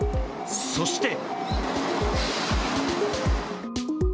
そして。